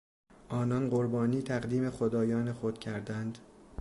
آنان قربانی تقدیم خدایان خود کردند.